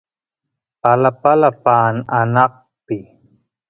palapala paan anaqpi